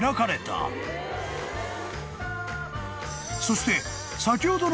［そして］